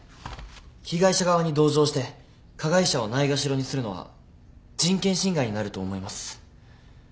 被害者側に同情して加害者をないがしろにするのは人権侵害になると思います。